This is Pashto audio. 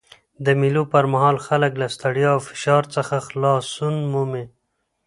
د مېلو پر مهال خلک له ستړیا او فشار څخه خلاصون مومي.